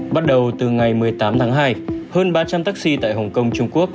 bắt đầu từ ngày một mươi tám tháng hai hơn ba trăm linh taxi tại hồng kông trung quốc